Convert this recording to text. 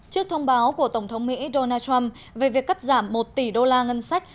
trước thông báo của tổng thống mỹ donald trump về việc cắt giảm một tỷ đô la ngân sách